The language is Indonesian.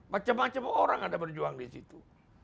macem macem orang ada berjuang di situ